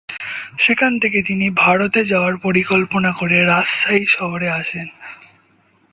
সেখান থেকে তিনি ভারতে যাওয়ার পরিকল্পনা করে রাজশাহী শহরে আসেন।